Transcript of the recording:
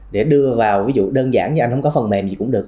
để đưa vào ví dụ đơn giản như anh không có phần mềm gì cũng được